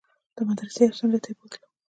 د مدرسې يوې څنډې ته يې بوتلم.